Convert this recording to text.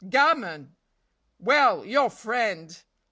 "Gammon! well, your friend!